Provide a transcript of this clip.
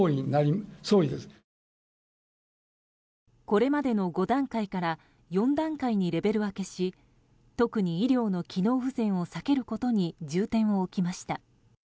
これまでの５段階から４段階にレベル分けし特に医療の機能不全を避けることに重点を置きました。